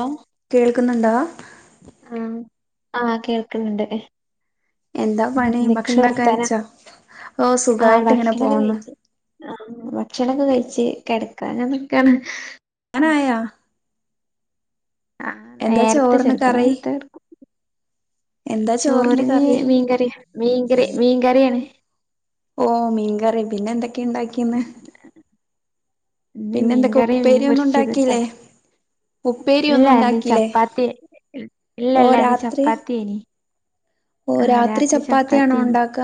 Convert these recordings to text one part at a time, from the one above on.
ഓ ക്കുന്നുണ്ടോ ആ കേൾക്ക്ണ് ണ്ട് ഹ് എന്താ പണി എന്തൊക്കെണ്ട് ഭക്ഷണൊക്കെ വർത്താനം കഴിച്ചോ ഓ ആ സുഖായിട്ട് ഇങ്ങനെ ഭക്ഷണൊക്കെ പോന്നു കഴിച്ച് ആ ഭക്ഷണൊക്കെ കഴിച്ച് കെടക് അങ്ങനൊക്കേണ് ക്കനായോ ആ നേരത്തെ ചോറിന് ചെലപ്പം കറി നേരത്തെ കെട്ക്കും എന്താ ചോറിന് കറി മീൻകറി മീൻകറി മീൻകറിയാണ് പിന്നെന്തെക് ക്കെ ഇണ്ടാക്കീന്ന് ഇന്ന് മീൻകറിയ മീൻ പൊരിച്ചത് പ ഉണ്ടാക്കില്ലേ ഉപ്പേരി ഇല്ല ഒന്നും എന്ന ഉണ്ടാക്കില്ലേ ചപ്പാത്തി ഇല്ല ഓ ഇല്ല രാത്രി ചപ്പാത്തിയ്നി ഓ രാത്രി ചപ്പാത്തിയാണോ ഇണ്ടാക്ക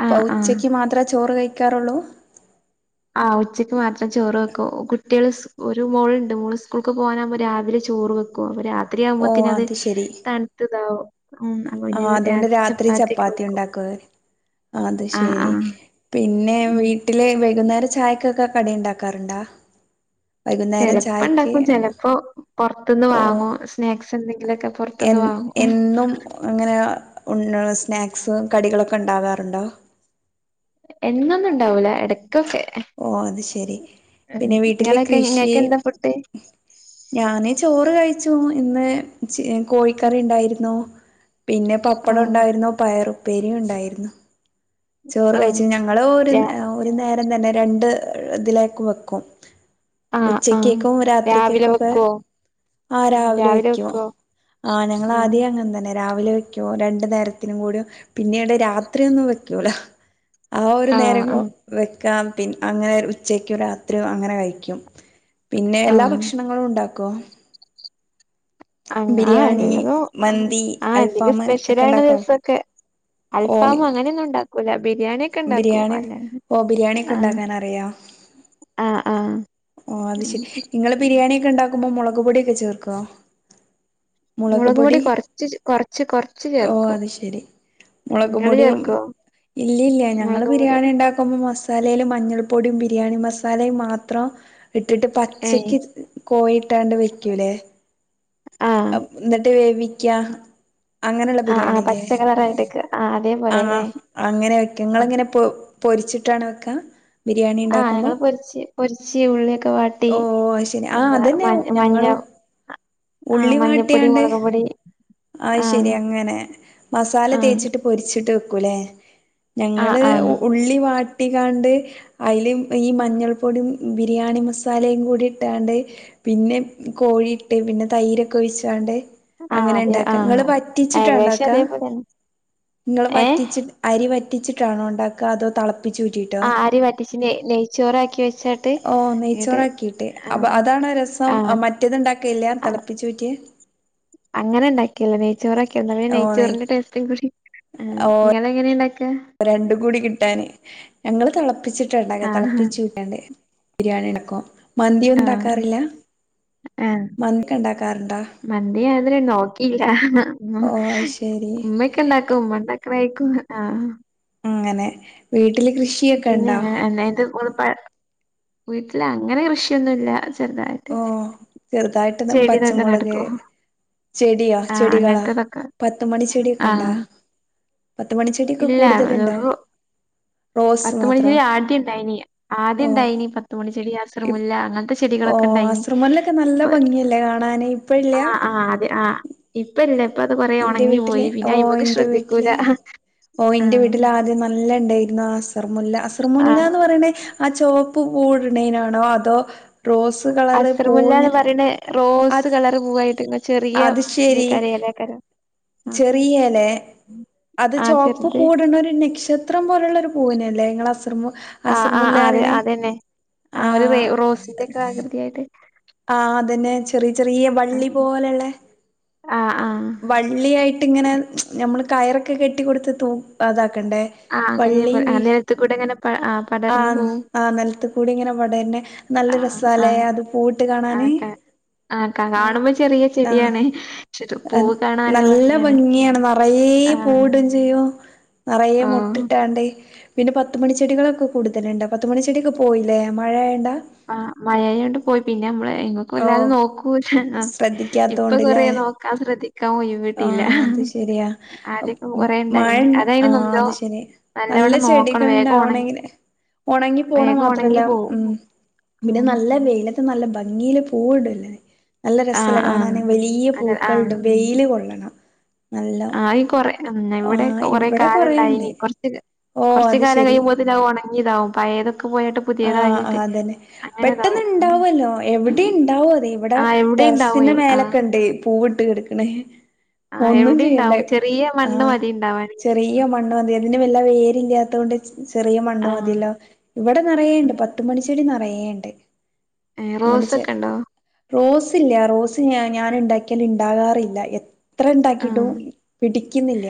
ഇപ്പ ആഹ് ആഹ് ഉച്ചക്ക് മാത്ര ചോറ് കഴി ക്കാറുള്ളൂ ആ ഉച്ചയ്ക്ക് മാത്രം ചോറ് വെക്കും കുട്ടികള് ഒരു മോൾണ്ട് മോള് സ്കൂൾക്ക് പോകാനാവകുമ്പോ രാവിലെ ചോറ് വെക്കും പ്പോ രാ ഓ അത് ശരി ഉം അപ്പൊ ആ പിന്നെ അതുകൊണ്ട് രാത്രി ചപ്പാത്തിയൊക്കെ ചപ്പാത്തി വെക്കും ഉണ്ടാക്കുക അത് ആഹ് ശരി ആഹ് പിന്നെ ഉം വീട്ടില് വൈകുന്നേ ചായക്കൊക്കെ കടിയുണ്ടാക്കാറുണ്ടാ ചിലപ്പോ ഇണ്ടാക്കും ചിലപ്പോ പുറത്തുന്ന് വാങ്ങോ സ്നാക്സ് ക്കന്തെ എ എന്നും അങ്ങനെ ഉ സ്നാക്സ് കടികളൊക്കെ ഉണ്ടാവാറുണ്ടോ എന്നൊന്നും ഇണ്ടാവൂല എട ഓ അത് ശെരി. ഉം പിന്നെ വീട്ടില് ഇങ്ങളൊക്കെ കൃഷി ഇങ്ങക്ക് എന്താ ഫുഡ് ഞാന് ചോറ് കഴി ചോ ഇന്ന് ച് കോഴിക്കറി ണ്ടായിര്ന്നൂ പിന്നെ പപ്പടം ആഹ് ഉണ്ടായിര്ന്നു പയറും പേരി ഉണ്ടായിരുന്നു ചോറ് കഴിച് ആഹ് ഞങ്ങള് ഒരു രാ നേ ഒരു നേര് തന്നെന്നെ രണ്ട് ഇതിലേക്ക് വെക്കും ആഹ് ആഹ് ഉച്ചക്കേക്കും രാവിലെ രാത്രിക്കേക്കൊക്കെ വെക്കോ ആ രാവിലെ വെക്കുവോ ആ ആഹ് ഞങ്ങളാദ്യേ അങ്ങൻതന്നെ രാവിലെ വെക്കോ രണ്ടു നേരത്തിനും കൂടിയോ പിന്നീടെ രാത്രി ഒന്ന് വെ ക്യൂല ആ ഒരു ആഹ് നേരം ഒ ആഹ് വെക്കാം പി അങ്ങനെ ഉച്ചക്യോ രാത്രിോ അങ്ങനെ കഴിക്കും പിന്നെ എല്ലാ ആഹ് ഭക്ഷണങ്ങളും ഉണ്ടാക്കോ അങ്ങനെ ആ ബിരിയാണി എല്ലതോ മന്തി ആഹ എന്തെങ്കിലും അൽഫാം ഒക്കെ സ്പെഷ്യലയിണ ഉണ്ടാക്കോ ദിവസൊക്കെ ഓ അൽഫാമോ അങ്ങനെയൊന്നും ഉണ്ടാക്കും ഗുലാബ് ബിരിയാണിയൊക്കെ ബിരിയാണി ഓ ബിരിയാൺ ബിരിയാണിയൊക്കെ ആ ഉണ്ടാക്കാൻ അറിയ ആ ആ ഓ അത് ഉം ശരി നിങ്ങള് ഉം. ബിരിയാണിയ ഒക്കെ ഉണ്ടാക്കുമ്പോ മുള [unintelligible] കുപൊടിയൊക്കെ ചേർക്കോ മുളക് പൊടി കൊറച്ച് ഓ അത് ശെരി മുളകും പൊടിയും ഇല്ല ഇല്ല ഞങ്ങള് മുളക് പൊടി ബിരിയാണി ഇണ്ടാക്കുമ്പം മസാലേൽ മഞ്ഞൾ പൊടിം ബിരിയാണി മസാലയും മാത്രം ഇട്ടിട്ട് ഏ പച്ചക്ക് കോഴിട്ടാണ്ട് വെക്കൂലേ ആ അപ് [unintelligible] ന്നട്ട് വേവി ക്ക്യാ അങ്ങനെള്ള ആ ആ ബിരിയാണില്ലേ പച്ച കളറായിട്ടൊക്കെ ആ ആ അതേപോലെല്ലേ അങ്ങനെ വെക്കും ആ ങ്ങളെങ്ങനെ പ്പ് പൊരിച്ചിട്ടാണ് വെക്ക ആ ഞങ്ങള് പൊരിച്ച് പൊരിച്ച് ഉള്ളിയൊക്കെ വാട്ടി ഓ അത് ശരി ആ എന്താ അതന്നെ മഞ്ഞ [unintelligible] ഞങ്ങളും മഞ്ഞാവ ഉള്ളി വാട്ടിയാണ്ട് അയ് ആ ശരി അങ്ങനെ മസാല ആ തേച്ചിട്ട് പൊരിച്ചി തെക്കുലേ ആ ഞങ്ങള് ആ ഉ ഉള്ളി വാ ട്ടികാണ്ട് അയ്ല് ഈ മഞ്ഞൾ പൊടിയും ബിരിയാണി മസാലയും കൂടി ഇട്ടാണ്ട് പിന്നെ കോഴി ഇട്ട് പിന്നെ തൈരൊക്കെ ഒഴിച്ചാണ്ട് ആ അങ്ങനെ അതെ ഇണ്ടാക്ക ആ ഇങ്ങള് വറ്റിച്ചിട്ടാ ഏകദേശം ഉണ്ടാക്ക അതേപോലെന്നെ ഇങ്ങള് ഏഹ് വറ്റിച്ചിട്ട് അരി വറ്റി വറ്റിച്ചിട്ടണോ ഉണ്ടാക്ക അതോ തള പ്പിച്ചുറ്റീട്ടോ ആഹ് ആരി വറ്റിച്ച് നെയ്ച്ചോറാക്കി വെച്ചാട്ട് ഓ ഇങ്ങട്ട് നെയ്ച്ചോറാക്കീട്ട് അപ്പൊ ആഹ് അതാണോ രസം ആഹ് മറ്റത്ണ്ടാക്കല്ല തെള് അങ്ങനെ ഇണ്ടാക്കിയല്ല നെയ് ക്കും ന്നാലേ ഓ നെയ് നെയ്ച്ചോറിന്റെ ടേസ്റ്റുംകൂടി ആ ഇങ്ങെളങ്ങനെണ്ടാക്ക രണ്ട് കൂടി കിട്ടാന് ഞങ്ങള് തെളപ്പ പ്പിച്ചിട്ടാ ണ്ടാക്കാ ആഹ് തെളപ്പിച്ചൂറ്റിയാണ്ട് ബിരിയാണിണ്ടാക്കും ആഹ് മന്തിയുണ്ടാക്കാറില്ല ആഹ് മന്തിക്കണ്ടാകാറുണ്ടോ മന്തി ഞാനിതുവരെ നോക്കിയില്ല ഓ അയ്ശരി കു ആഹ് അങ്ങനെ വീട്ട വീട്ടില് പിന്നെ കൃഷിയൊക്കെണ്ടോ അല്ലാതെ ഓള് പ വീട്ടില് അങ്ങനെ കൃഷിയൊന്നുല്ല ചെറുതായിട്ട് ഓ ചെറുതായിട്ട്ന്ന ചെടിതൊക്കെ പച്ചമുളക് നടക്കും ചെടിയോ ആഹ് ചെടികളാ അങ്ങനത്തതൊക്കെ പത്തുമണി ചെടിയൊക്കെണ്ടാ ആഹ് പത്ത് മണി ചെടിയൊക്കെ ഇല്ല കൂടുതലുണ്ടാവും വെറു പത്ത് മണിച്ചെടി ആദ്യണ്ടായിനി ഓ ആദ്യണ്ടായിനി പത്ത് മണിച്ചെടി സ് ഇപ് അസർമുല്ല അങ്ങനത്തെ ഓ ചെടികളൊക്കെണ്ടായിനി അസർമല്ലൊക്കെ നല്ല ഇപ്പൊ ഭംഗിയല്ലേ കാണാന് ഇപ്പ ഇല്ല ആ ആ അതെ ആ ഇപ്പ ഇപ്പല്ല ഇന്റെ വീട്ടില് ഓ ഇന്റെ ശ്രദ്ധിക്കൂല. വീട്ടില് ഓ ഇന്റെ വീട്ടിൽ ആദ്യം നല്ലണ്ടായിരുന്നു ആ സ് അസർമുല്ല ആഹ് അസർമുല്ലാന്ന് പറിണേ ആഹ് ചോപ്പ് ഊട്ണ്ടേനാണോ അതോ റോസ് കളറ് പൂവ് അസ്രമുല്ലാന്ന് പറീണെ അ റോസ് കളറ് പൂവായിട്ട് ചെറിയ ദെ കരയെലെക്കാരം ചെറിയെലേ അത് ആഹ് ചോപ്പ് ചെറുത് പൂവ്ട്ണൊരു നക്ഷത്രം പോല്ള്ളൊരു പൂവിനെ ദേ ങ്ങളെ അസ്രമു ആഹ് ആഹ് ആഹ് അതെ അതന്നെ ആഹ് ഒരു റേ റോസിന്റൊക്കെ ആകൃതി ആയിട്ട് ആഹ് അതന്നെ ചെറിയ ചെറീ വള്ളി പോലെള്ളെ. ആഹ് ആഹ് വള്ളിയായിട്ട്ങ്ങനെ പിന്നെ നി മ്മള് കയറൊകെ കെട്ടി കൊടുത്ത് തൂം അതാണ് ക്കണ്ടേ ആഹ് അങ്ങനെ വള്ളീം ആഹ് വീശി. നിലത്ത് കൂടെ ഇങ്ങനെ പ ആഹ് പടർന്നു ആഹ് പോവും ആഹ് നെൽത്തുകൂടിങ്ങനെ മൊടയണ്ടെ. നല്ല ആഹ് രസാല്ലേ ആഹ് അത് കൂ. ട്ട് കാണാന് ആഹ് ആഹ് ക കാണുമ്പോ ചെറിയ ചെടിയാണ്. പക്ഷെ ഇത് ആഹ് പൂവ് കാണാൻ നല്ല ഭംഗിയാണ് ന്നറേ ആഹ് പൂവ്ടും ചെയ്യും നെറയെ ഓഹ് മൊട്ട്ട്ടാണ്ട് പിന്നെ പത്തുമണി ചെടികളൊക്കെ കൂടുതലുണ്ട് പത്തുമണിചെടിയൊക്കെ പോയിലെ. മഴ ആയോണ്ട ആഹ് മഴയോണ്ട് പോയി പിന്നെ ഞമ്മള് ഓഹ് ഇങ്ങക്കൊല്ലാതും നോക്കൂല്ലെ. ആ ഇപ്പൊ കൊറേ ശ്രദ്ധിക്കാത്തോണ്ട്ല്ലേ നോക്കാം ശ്രദ്ധിക്കാം ഒയിവിട്ടീല്ല. ആഹ് അത് ശരിയാ ആദ്യൊക്കെ കൊറെണ്ടയിന്. മഴണ്ട അതയിന് ആഹ് ല്ലോ അത് ശരി നല്ല നല്ലവണ്ണം നോക്കണം. ചെടികൾ വേഗം ഒണങ്ങി. ഉണ്ടാവണെങ്കില് ഉണങ്ങി പോണ വേഗം മാത്രല്ല ഒണങ്ങി പോവും ഉം പിന്നെ ഉം നല്ല വെയില നല്ല ഭ ഗീല് പൂവ്ട്ലെ നല്ല ആഹ് രസ്സല്ലെ ആഹ് കാണാന്. വലീയ പൂക്കളുടും വെയീല് കൊള്ളണം നല്ല ആ യി കൊറെ ഉം ഇവടെ ആഹ് കൊറെ ഇവിടെ കാലം കൊറേണ്ട് ഇണ്ടായിന്. കൊറച്ച് കാ ഓഹ് കൊറച് അത് കാലം ശരി കഴിയുമ്പോത്തിന് അത് ഒണങ്ങി. ഇതാം പായേത് ആഹ് ആഹ് അതന്നെ. അങ്ങനെ പെട്ടന്ന് ഇതാവും. ഉം ഇണ്ടാവല്ലോ എവിടെ ഇണ്ടാവത്. ഇവിടെ ആഹ് എവിടെ ഇണ്ടാവും ടെറസിന്റെ എവ് ആഹ് മേലൊക്കെണ്ട് പൂവ് ട്ട് കെടക്കണേ ആഹ് ഒന്നും എവിടെ ചെയ്യണ്ടെ. ഇണ്ടാവും ചെറിയ മണ്ണ് ആഹ് മതി ഇണ്ടാവാനെങ്കി ചെറിയ മണ്ണ് മതിയ ന്ന വല്ല വേരില്ലാത്തോണ്ട് ചെറിയ മണ്ണ് ആഹ് മതി ല്ലോ ഇവടെ ഉം നെറയേണ്ട് പത്ത് മണി ചെടി നറയേണ്ട് ഏഹ് റോസൊക്കെണ്ടോ റോസ് ഇല്ല. റോസ് ഞാ ഞാന് ഇണ്ടാക്കിയാൽ ഇണ്ടാകാറില്ല ത്ര ഇണ്ടാക്കിട്ടും ആഹ് പിടി ക്ക്ന്നില്ല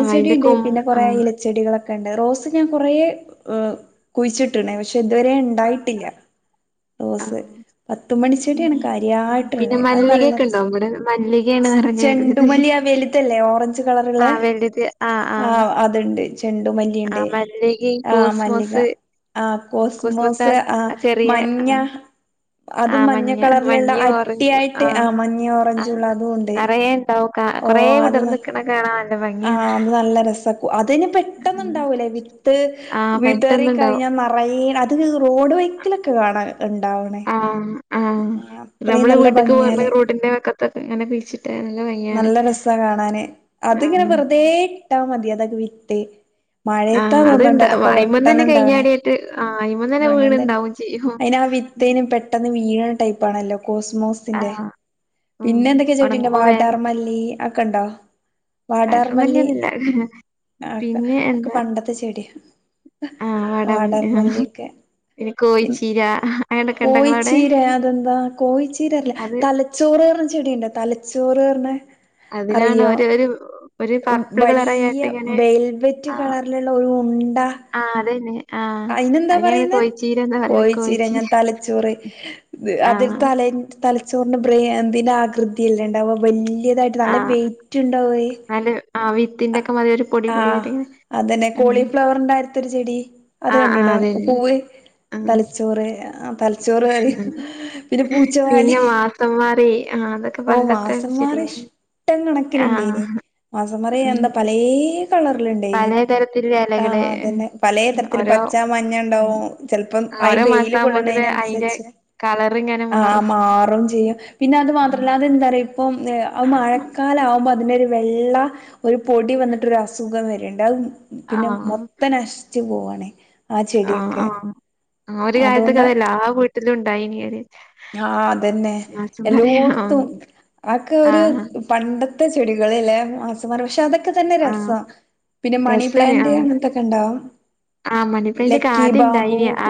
ആഹ് അയിന്റെ ണ്ട് കൊം പിന്നെ കുറെ ആഹ് ഇലച്ചെടികളൊ ക്കെണ്ട് റോസ് ഞാൻ കുറേ ഏ അ് കുഴിച്ചിട്ട്ണേ പശ് ഷേ ഇതുവരെ ഉണ്ടായിട്ടില്ല ആഹ് റോസ് ഉം പത്തുമണിച്ചെടിയാണ് ഉം പിന്നെ കാര്യായ്ട്ടുള്ളെ അത് നല്ല മല്ലികയൊക്കെ രസ ഇണ്ടോ ഇവടെ മല്ലികയാണ് നെറഞ്ഞ വലുത് ചെണ്ടുമലി ആ വലുതല്ലേ ഓറഞ്ച് കളറ്ള്ള ആഹ് വലുത് ആഹ് ആ ആഹ് അത്ണ്ട് ആ മല്ലികിം കോസ് മോസ് ആ കോസ്മോസ് ആ മഞ്ഞ ആഹ് അതും ആഹ് മഞ്ഞ കളറിലുള്ള മഞ്ഞയും ഓറഞ്ചും അട്ടിയായിട്ട് ആഹ് ആ മഞ്ഞി ആഹ് ഓറഞ്ചൂള്ള അതും ഉണ്ട് നെറയെ ഇണ്ടാവും കാ കൊറേ ഓഹ് അത് ന വിടർന്ന്ക്കണ കാണാ ആഹ് അത് നല്ല രസാ ക്കും അതിന് പെട്ടന്നുണ്ടാവൂല്ലേ വിത്ത് ആഹ് വിതറി പെട്ടെന്ന് ഇണ്ടാവും കഴിഞ്ഞാ നറയെ അത് റോഡ് വൈക്കലൊക്കെ കാണാ അത് ഉണ്ടാവ്ണേ ആഹ് ആഹ് നമ്മള് വീട്ട്ക്ക് പോര്ണ റോഡിന്റെ വക്കത്തൊക്കെ ഇങ്ങനെ പിര്ച്ചിട്ട് നല്ല രസ കാണാന് അതിങ്ങനെ ആഹ് വെറുതേ ഇട്ടാ മതി അതൊക്കെ വിത്ത് മഴയത്താ ആഹ് തോന്നുന്നുണ്ട് അത്ണ്ടാവ അതൊക്കെ അയിമന്നന്നെ വെട്ടന്നുണ്ടാവണേ കഴിഞ്ഞാടീട്ട് ആ അയിമന്നന്നെ അങ്ങനെ വീണ് തന്നെ ഇണ്ടാവും ചെയ്യും ഈഴ്ണ ടൈപ്പാണല്ലോ കോസ്മോസിന്റെ ആഹ് ഉം പിന്നെ എന്തൊക്കേ ചെടിണ്ട് ഒണങ്ങുമ്പോ വാ വേഗം ടാർമല്ലി അ ഒക്കെണ്ടോ വാടാർമല്ലി വാട്ടർമല്ലിയൊന്നുല്ല. ആക്ക പിന്നെ അതൊക്കെ എന്താ പണ്ടത്തെ ചെ ട്യ ആഹ് വാടാമല്ലി ആഹ് വാടർമല്ലിയൊക്കെ പിന്നെ പിൻ കോഴിച്ചീര അങ്ങനൊക്കെ ഇണ്ടോ ഇങ്ങളവടെ? കോഴിച്ചീര അതെന്താ കോഴിച്ചീര അല്ല അത് തലച്ചോറ് അർ പറഞ്ഞ ചെടിയുണ്ട് തല ചോറ് പർണ അതിനാണ് ഒരു ഒരു ഒരു പർപ്പിള കളറായാട്ട് ഇ വെൽവറ്റ് കളറിലുള്ള ഒരു ഉണ്ട ആഹ് അതന്നെ ആഹ് അയിന്ന്താ അതിനങ്ങനെ പറയുന്നത് കോഴിച്ചീരന്നാ പറയല് കോഴിച്ചിര ഞാൻ കോഴിച്ചീര തലച്ചോറ് അത് ആഹ് തല തലച്ചോറിന് ബ്രയി ഇതിന ആകൃതിയല്ലണ്ടവ വല്യ പുതിയതായിട്ട് നല്ല ആഹ് വെയിറ്റ് ഉണ്ടാവേ ന്നാല് ആ വിത്തിന്റെ ഒക്കെ മാതിരി ഒരു പൊടി പൊടിയായിട്ടിങ്ങനെ ആഹ്അതന്നെ കോളിഫ്ലവറിന്റെ അരത്തരു ചെടി അത് ആഹ് ആഹ് കണ്ടുട അതന്നെ പൂവ് ആഹ് തലച്ചോറ് അഹ് തലച്ചോറ് കറ ആഹ് പിന്നെ പൂച്ചവാലി പിന്നെ മാസംമാറി ആഹ് അതൊക്കെ ഓ പണ്ടത്തെ മാസന്മാറി ചെടികള് ഇഷ്ടം കണക്കിനുണ്ടായി നി ഇ ആഹ് മാസന്മാ ഉം എന്ത പലേ കളറിലിണ്ടേനി പലതരത്തിലുള്ള ആഹ് ഇലകള് ആഹ് അതന്നെ പലേ തരത്തില് ഓരോ പച്ച മഞ്ഞ ഉം ഇണ്ടാവും ചെലപ്പം അയ് ഓരോ വെയില് മാസാകുമ്പോത്തിന് കൊള്ളണേന് അയിന്റെ അതിനനുസരിച്ച് ആഹ് ആഹ് മാറും ചെയ്യും പിന്നെ അത് മാത്രല്ല അതെന്താ അറിയോ അപ്പം ഏഹ് ആഹ് മഴക്കാല ആവുമ്പോ അതിന്റെ ഒരു വെള്ള ഒരു പൊടി വന്നിട്ടൊരസുഖം വരണ്ട് അത് പിന്നെ ആഹ് മൊത്തം നശിച്ചു പോവാണ് നെ ആഹ് ആഹ ആഹ് ഒരു കാലത്തൊക്കെ അതുകൊണ്ട് അതെല്ലാ വീ ട്ടിലുണ്ടായീനൊര് ആഹ് അതന്നെ എല്ലോടത്തും ആക്കെ ഒരു ആഹ് പണ്ട ത്തെ ചെടികളില്ലേ മാസമാർ പക്ഷെ അത ത്ത തന്നെ ആഹ് രസാ പിന്നെ രസേനി മണിപ്ലാന്റ് ആഹ് അങ്ങനത്തൊക്കെ ഇണ്ടാവും ആ മണി പ്ലാന്റ് ഒക്കെ ലക്കി ആദ്യം ബാബു ഇണ്ടായിനി ആ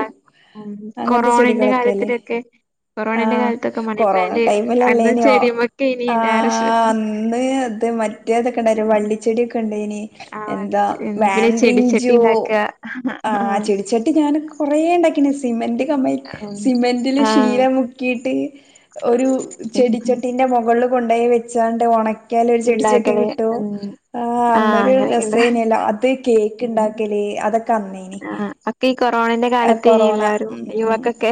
ഉം അങ്ങനത്തെ കൊറോണന്റെ ചെടികളൊക്കെല്ലെ കാലത്തിലൊക്കെ കൊറോണന്റെ ആഹ് കാലത്തൊക്കെ മണി കൊറോണ പ്ലാന്റ് അന്ന് ടൈമിലല്ലേനോ ചെടിമൊക്കേനി എല്ലാരെ ആഹ് ശ്രദ്ധ അന്ന് അത് മറ്റേതൊക്കെ ഇണ്ടായീലെ വള്ളി ചെ ചെടിക്കണ്ടേനി ആ എന്താ വരച്ച് പിന്നെ ചെടിച്ചട്ടി വേണ്ടറിഞ്ചോ ഇണ്ടാക്ക ആഹ് ചെടിച്ചട്ടി ഞാന് കുറേ ഉണ്ടാക്കിണ്ട് സിമെന്റ് [unintelligible] ഉം സിമെന്റില് ആ ഷീ ചീല മുക്കിയിട്ട് ഒരു ചെടിച്ചട്ടിന്റെ മുകളള് കൊണ്ടയി വെ ച്ചാണ്ട് ഒണ ക്കാല് ഒരു ചെടിച്ചട്ടി ഇണ്ടാക്കല് കിട്ടു ഉം ആഹ് ആ അന്നൊരു അങ്ങനെയൊക്കെണ്ട് രസല്ലേനി അല്ലോ അത് കേക്ക് ഉം ഉണ്ടാക്കലേ അതൊക്കെ അന്നേനി ആ ഒക്കെ ഈ കൊറോണന്റെ ആഹ് കാലത്തേനി കൊറോണ എല്ലാരും ഉ യുവക്കൊക്കെ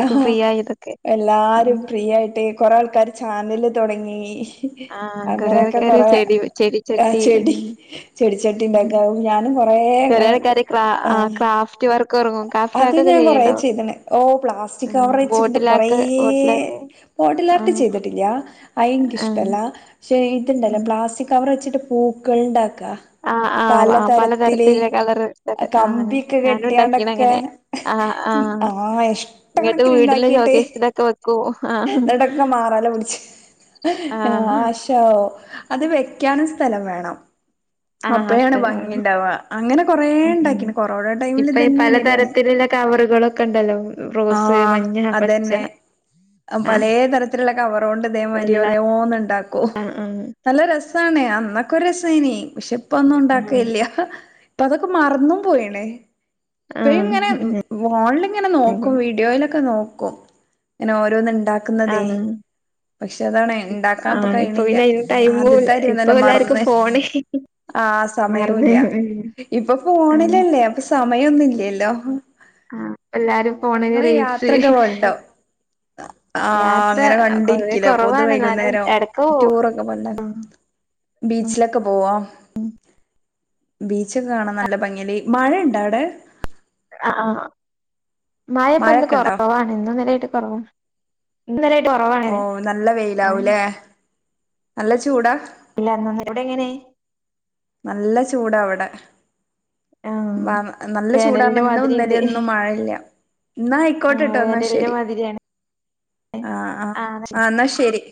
ആ ഫ്രീ ആയതൊക്കെ എല്ലാരും ഉം, പ്രീ ആയിട്ട് കൊറെേ ആൾക്കർ ചാനല് തൊ തുടങ്ങി ആ കൊറേ അങ്ങനെയൊക്കെ ആൾക്കാര് കൊറെ ചെടി ചെടിച്ചട്ടി ചെടി ചെടിച്ചട്ടി ഉണ്ടാക്കാവും ഞാനും കൊറേ വറക്കാര് ആഹ് ക്രാഫ്റ്റ് വർക്ക് ഇറങ്ങും ക്രാഫ്റ്റ് അത് വർക്കൊക്കെ ഞാൻ കൊറ ചെയ്യണ്ടോ ചെയ്ത ഓ പ്ലാസ്റ്റിക് ആഹ് കവർ വെച്ചിട്ടണ്ട് കൊറെ ബോട്ടിലാക്ക് ബോട്ടിലാക്ക് മോഡിലാർട്ട് ആഹ് ചെയ്തിട്ടില്ല അയങ്ക ആഹ് ഇഷ്ടമല്ല പക്ഷെ ഇതുണ്ടല്ല പ്ലാസ്റ്റിക് കവർ വച്ചിട്ട പൂക്കൾ ഉണ്ടാക്കും ആ ആ ആ പലതരത്തിലുള്ള കളർ ആ കമ്പിയൊക്കെ ഞാന ഉണ്ട കെട്ടിയാണ്ടൊക്കെ ങ്ങനെ ആ ആ ആഹ് ഇങ്ങട്ട് വീടില് ചോക്കേസ്റ്റിലൊക്കെ വെക്കും ആഹ് എന്താടൊക്കെ മാറാല പിടിച്ച് ആഹ് നാശവും അത് വെക്കാനും സ്ഥലം വേണം ആ അപ്പഴാണ് ഭംഗി ഉണ്ടാവുക അങ്ങനെ കൊറേ ഉണ്ടാക്കിന് [unintelligible] കൊറോണ ഇപ്പ ടൈമിൽ ഇ ഇതന്നെയായിരുന്നു പണി പലതരത്തിലുള്ള കവറുകളൊക്കെ ഉണ്ടല്ലോ റോസ് ആഹ് മഞ്ഞ പച്ച അതന്നെ ആഹ് പലേ തരത്തിലുള്ള കവറുകൊണ്ട് ഇതേമാതിരി വെള്ള ഓരോന്നുണ്ടാക്കൂ ആഹ് ആഹ് നല്ല രസ അതാണേ അന്നൊക്കെ ഒരു രസായ്നി പക്ഷെ ഇപ്പൊന്നും ഉണ്ടാക്കലില്ല ഇപ്പൊ അതൊക്കെ മറന്നും പോയ്ണ് ഇപ്പയും ഇങ്ങനെ ആഹ് ഫോണിലിങ്ങനെ നോക്കും ആഹ് വീഡിയോയിലൊക്കെ നോ ക്കും ഇങ്ങനെ ഓരോന്നു ഇണ്ടാക്കുന്നതെ ആഹ് പക്ഷെ അതാണേ ഇണ്ടാക്കാൻ ഇപ്പോ ആഹ് ഇപ്പൊ കഴിയിണില്ല പിന്നെ അയിന് ആദ്യത്തെ ടൈമുല്ല ഇപ്പൊ മാതിരിയൊന്നുമല്ല എല്ലാർക്കും മറന്ന് ഫോണ് ആ മറന്ന് സമയൂല്ല ഇപ്പോ ആഹ് ഫോണിലല്ലേ അപ്പോ സ സമയൊന്നും ഇല്ലല്ലോ ആ എല്ലാരും ഫോണിൽ റീൽസ് യാത്രൊക്കെ ആ യാത്ര അങ്ങനെ പൊതുവെ കണ്ടിരിക്കില്ല അപ്പോത്ത് കൊറവാണ് എന്നാലും വൈകുന്നേരം എടക്ക് പോവും ടൂറൊക്കെ [unintelligible] ബീച്ചിലൊക്കെ പോവ്വോ ബീച്ചൊക്കെ കാണാൻ നല്ല ഭംഗിയല് മഴയിണ്ടാവിടെ ആ ആ മഴയിപ്പൊ ഇന്ന് മഴൊക്കെ ഉണ്ടോ? കൊറവാണ് ഇന്നും ഇന്നലെയായിട്ട് കൊറവാ ഇതുവരെ ഓ നല്ല വെയിലാവൂലെ നല്ല ചൂടാ ഇല്ല നമ്മവിടെ എങ്ങനെ നല്ല ചൂടാ അവിടെ ആഹ് വ നല്ല ചൂടാന്ന് വേനലിന്റെ പറഞ്ഞ ഇന്നും മാതിരിണ്ട് ഇന്നലെയൊന്നും മഴയില്ല ആഹ് എന്നായിക്കോട്ടെട്ടോ എന്നാ വേനലിന്റെ ശരി മാതിരിയാണ് ആ ആ ആഹ് ആ എന്നാ ശരി